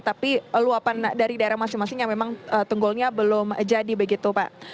tapi luapan dari daerah masing masing yang memang tunggulnya belum jadi begitu pak